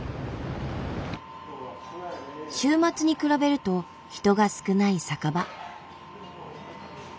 週末に比べると人が少ない酒場。